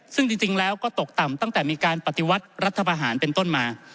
ซึ่งจริงแล้วก็ตกต่ำตั้งแต่มีการปฏิวัติรัฐประหารเป็นต้นมา